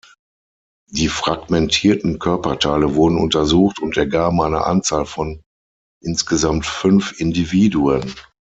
Die fragmentierten Körperteile wurden untersucht und ergaben eine Anzahl von insgesamt fünf Individuen.